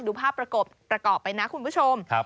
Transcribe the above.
ดูภาพประกอบไปนะคุณผู้ชม